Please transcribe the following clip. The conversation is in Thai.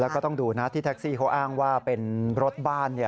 แล้วก็ต้องดูนะที่แท็กซี่เขาอ้างว่าเป็นรถบ้าน